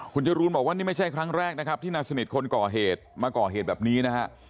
คุณจรูนบอกว่านี่ไม่ใช่ครั้งแรกนะครับที่นายสนิทคนก่อเหตุมาก่อเหตุแบบนี้นะฮะ